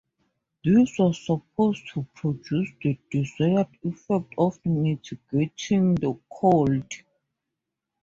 This was supposed to produce the desired effect of mitigating the cold.